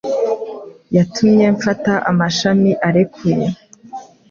yatumye mfata amashami arekuye